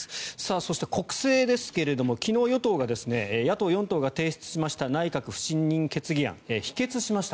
そして国政ですけど昨日、与党が野党４党が提出した内閣不信任決議案を否決しました。